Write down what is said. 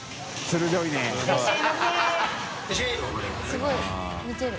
すごい見てる。